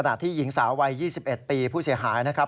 ขณะที่หญิงสาววัยยี่สิบเอ็ดปีผู้เสียหายนะครับ